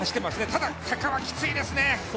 ただ、坂はきついですね。